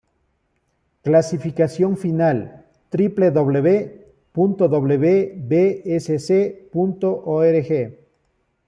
Clasificación Final www.wbsc.org